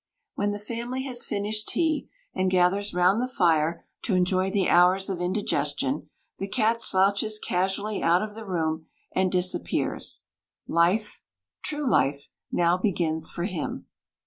When the family has finished tea, and gathers round the fire to enjoy the hours of indigestion, the cat slouches casually out of the room and disappears. Life, true life, now begins for him.